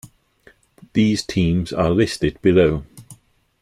These teams are listed below.